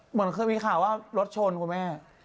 เหมือนเคยมีข่าวว่ารถชนคุณแม่